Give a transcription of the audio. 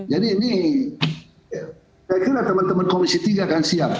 jadi ini saya kira teman teman komisi tiga akan siap